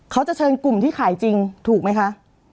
เขาจะเชิญกลุ่มที่ขายจริงถูกไหมคะ